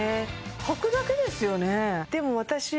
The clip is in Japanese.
はくだけですよね